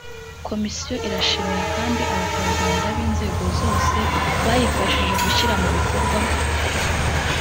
komisiyo irashimira kandi abaturarwanda b inzego zose bayifashije gushyira mu bikorwa